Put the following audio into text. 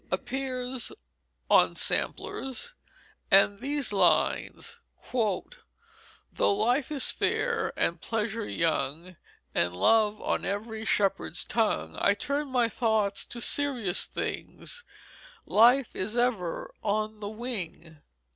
appears on samplers; and these lines: "Though life is fair And pleasure young, And Love on ev'ry Shepherd's Tongue, I turn my thoughts To serious things, Life is ever on the wing."